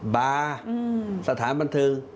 บาร์สถานบันเทิง